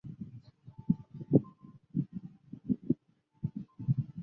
卢德维格斯塔特是德国巴伐利亚州的一个市镇。